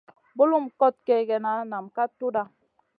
Bulum kot kègèna nam ka tudha.